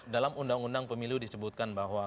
dalam undang undang pemilu disebutkan bahwa